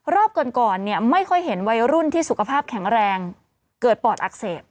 รอบก่อนเนี่ยไม่ค่อยเห็นวัยรุ่นที่สุขภาพแข็งแรงเกิดปอดอักเสบ